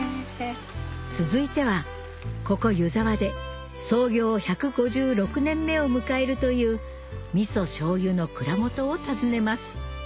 続いてはここ湯沢で創業１５６年目を迎えるというみそ醤油の蔵元を訪ねます